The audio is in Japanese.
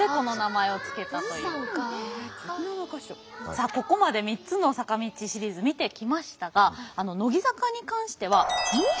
さあここまで３つの坂道シリーズ見てきましたが乃木坂に関してはもう一つ